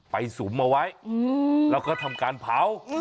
สุมเอาไว้แล้วก็ทำการเผา